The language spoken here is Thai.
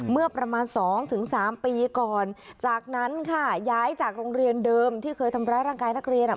เมื่อประมาณสองถึงสามปีก่อนจากนั้นค่ะย้ายจากโรงเรียนเดิมที่เคยทำร้ายร่างกายนักเรียนอ่ะ